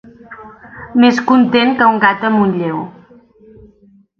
Més content que un gat amb un lleu.